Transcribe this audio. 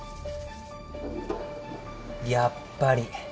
やっぱり。